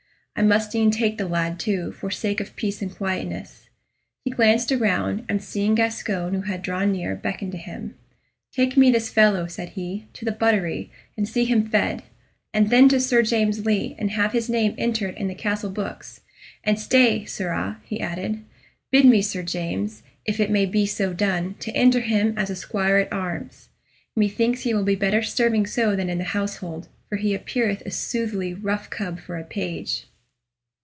I must e'en take the lad, too, for the sake of peace and quietness." He glanced around, and seeing Gascoyne, who had drawn near, beckoned to him. "Take me this fellow," said he, "to the buttery, and see him fed; and then to Sir James Lee, and have his name entered in the castle books. And stay, sirrah," he added; "bid me Sir James, if it may be so done, to enter him as a squire at arms. Methinks he will be better serving so than in the household, for he appeareth a soothly rough cub for a page."